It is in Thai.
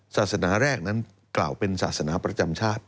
ศาสนาแรกนั้นกล่าวเป็นศาสนาประจำชาติ